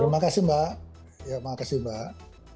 terima kasih mbak ya terima kasih mbak